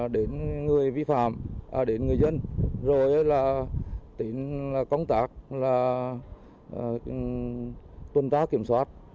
đến người vi phạm đến người dân rồi là công tác tuân tác kiểm soát